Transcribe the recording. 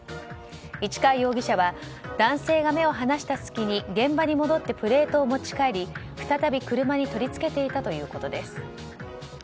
市川容疑者は男性が目を離した隙に現場に戻ってプレートを持ち帰り再び車に取り付けていたということです。